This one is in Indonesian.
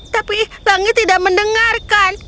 tapi langit tidak mendengarkan